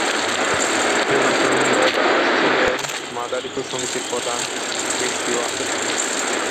পূর্ণচন্দ্র দাস ছিলেন মাদারিপুর সমিতির প্রধান ব্যক্তি ও আদর্শ।